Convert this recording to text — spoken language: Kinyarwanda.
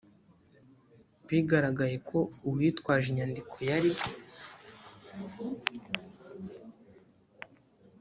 bigaragaye ko uwitwaje inyandiko yari